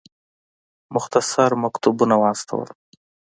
مختصر مکتوبونه واستول.